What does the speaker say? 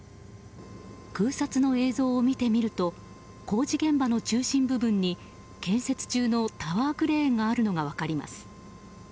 空撮の映像を見てみると工事現場の中心部分に建設中のタワークレーンがあるのが分かります。